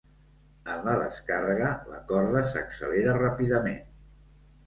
En la descàrrega, la corda s'accelera ràpidament.